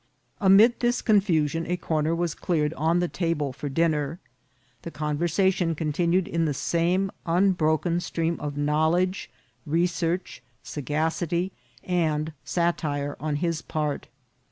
Amid this confusion a corner was cleared on the ta ble for dinner. The conversation continued in the same unbroken stream of knowledge, research, sagacity, and satire on his part.